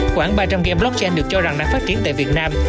khoảng ba trăm linh game blockchain được cho rằng đang phát triển tại việt nam